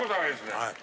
はい。